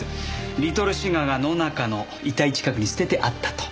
リトルシガーが野中の遺体近くに捨ててあったと。